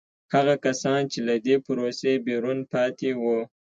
هغه کسان چې له دې پروسې بیرون پاتې وو.